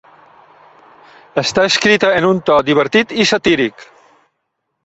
Està escrita en un to divertit i satíric.